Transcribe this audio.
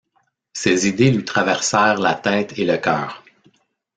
Ces idées lui traversèrent la tête et le cœur.